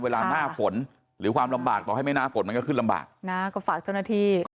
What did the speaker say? เวลาหน้าฝนหรือความลำบากต่อให้ไม่หน้าฝนมันก็ขึ้นลำบากนะก็ฝากเจ้าหน้าที่